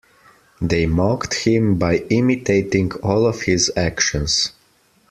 They mocked him by imitating all of his actions.